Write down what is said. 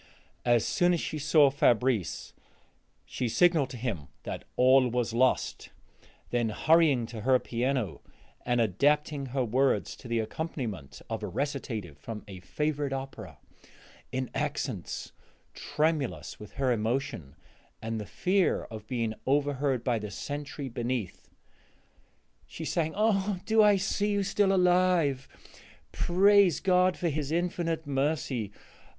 As soon as she saw Fabrice she signaled to him that all was lost; then, hurrying to her piano, and adapting her words to the accompaniment of a recitative from a favorite opera, in accents tremulous with her emotion and the fear of being overheard by the sentry beneath, she sang: "Ah, do I see you still alive? Praise God for his infinite mercy!